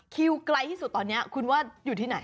ไกลที่สุดตอนนี้คุณว่าอยู่ที่ไหน